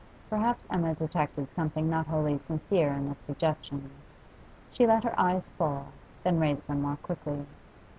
Perhaps Emma detected something not wholly sincere in this suggestion. She let her eyes fall, then raised them more quickly.